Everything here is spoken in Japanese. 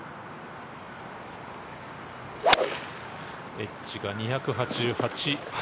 エッジが２８８。